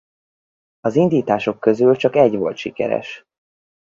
Az indítások közül csak egy volt sikeres.